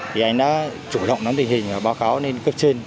thì anh đã chủ động nắm tình hình và báo cáo lên cấp trên